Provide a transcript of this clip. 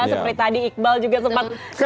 seperti tadi iqbal juga sempat